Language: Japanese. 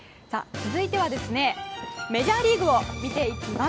続いてはメジャーリーグを見ていきます。